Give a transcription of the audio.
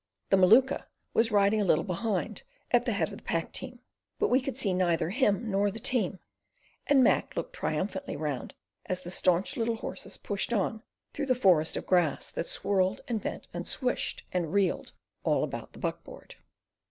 The Maluka was riding a little behind, at the head of the pack team, but we could see neither him nor the team, and Mac looked triumphantly round as the staunch little horses pushed on through the forest of grass that swirled and bent and swished and reeled all about the buck board.